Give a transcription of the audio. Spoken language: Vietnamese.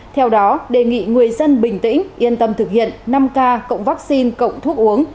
theo đó đề nghị người dân bình tĩnh yên tâm thực hiện năm k cộng vaccine cộng thuốc uống